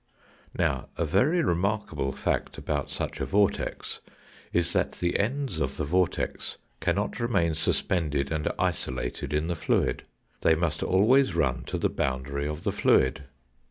Now, a very remarkable fact about such a vortex is that the ends of the vortex cannot remain suspended and isolated in the fluid. They must always run to the boundary of the fluid.